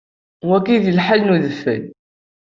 Wagi d lḥal n udfel.